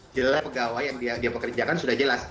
jelas pegawai yang dia pekerjakan sudah jelas